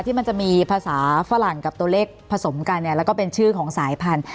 ที่มันจะมีภาษาฝรั่งกับตัวเลขผสมกันเนี่ยแล้วก็เป็นชื่อของสายพันธุ